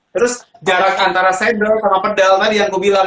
terus jarak antara sepeda sama pedal tadi yang kubilang